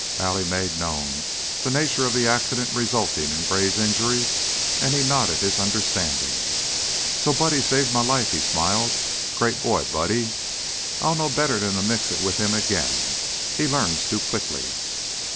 Allie made known, the nature of the accident resulting in Gray's injury, and he nodded his understanding. "So Buddy saved my life!" He smiled. "Great boy, Buddy! I'll know better than to mix it with him again he learns too quickly."